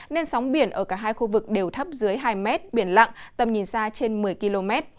nên sóng biển ở cả hai khu vực đều thấp dưới hai mét biển lặng tầm nhìn xa trên một mươi km